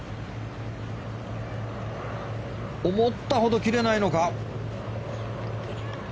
思ったほど切れないのか。